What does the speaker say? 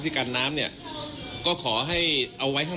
ที่สนชนะสงครามเปิดเพิ่ม